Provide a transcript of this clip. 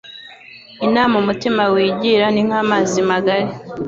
Inama umutima wigira ni nk’amazi magari